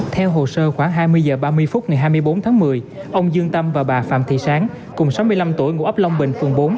theo hồ sơ khoảng hai mươi h ba mươi phút ngày hai mươi bốn tháng một mươi ông dương tâm và bà phạm thị sáng cùng sáu mươi năm tuổi ngụ ấp long bình phường bốn